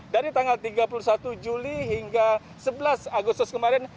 dari tanggal tiga puluh satu juli hingga sebelas agustus kemarin